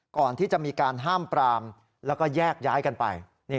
ก่อนที่จะมีการห้ามปรามแล้วก็แยกย้ายกันไป